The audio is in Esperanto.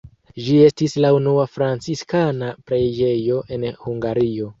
Ĝi estis la unua franciskana preĝejo en Hungario.